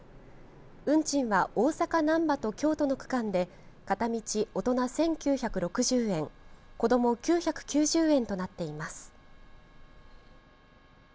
運賃は大阪難波と京都の区間で片道大人１９６０円子ども９９０円となっています。